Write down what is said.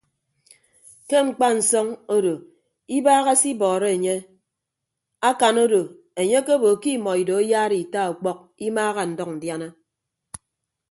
Ke mkpansọñ odo ibaaha se ibọọrọ enye akan odo enye akebo ke imọ ido ayaara ita ọkpọk imaaha ndʌñ ndiana.